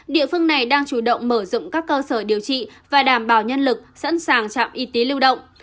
địa phương này đang chủ động mở rộng các cơ sở điều trị và đảm bảo nhân lực sẵn sàng trạm y tế lưu động